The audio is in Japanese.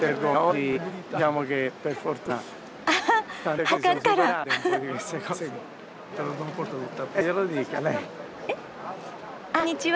ああこんにちは。